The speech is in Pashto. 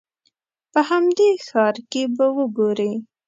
په همدې ښار کې به وګورې.